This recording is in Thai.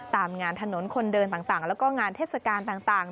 ตามงานถนนคนเดินต่างแล้วก็งานเทศกาลต่าง